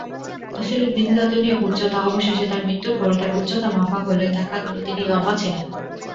আসলে বিন লাদেনের উচ্চতা অবশেষে তার মৃত্যুর পর তার উচ্চতা মাপা হলে দেখা গেল, তিনি লম্বা ছিলেন।